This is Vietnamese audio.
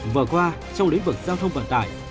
vừa qua trong lĩnh vực giao thông vận tải